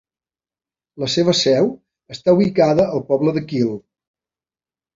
La seva seu està ubicada al poble de Kil.